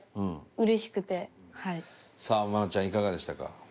さあ愛菜ちゃんいかがでしたか？